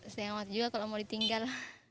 seneng banget juga kalau mau ditinggal